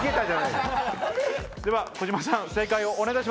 では児嶋さん正解をお願いします。